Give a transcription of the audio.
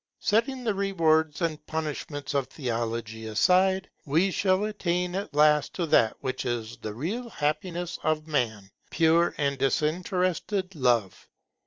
Setting the rewards and punishments of theology aside, we shall attain at last to that which is the real happiness of man, pure and disinterested love.